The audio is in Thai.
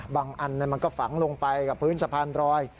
อันนั้นมันก็ฝังลงไปกับพื้นสะพานรอย